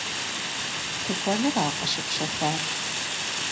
Тыкуэныра къыщыпщэхуар?